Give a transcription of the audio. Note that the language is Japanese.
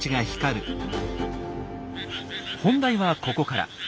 本題はここから。